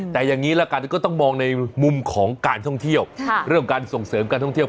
แต่อย่างนี้ละกันก็ต้องมองในมุมของการท่องเที่ยวเรื่องการส่งเสริมการท่องเที่ยว